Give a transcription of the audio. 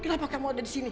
kenapa kamu ada di sini